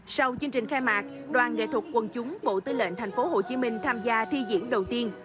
sau chương trình khai mạc đoàn nghệ thuật quân chúng bộ tư lệnh tp hcm tham gia thi diễn đầu tiên